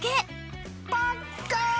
パッカーン！